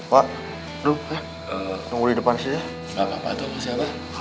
pak apa itu si abah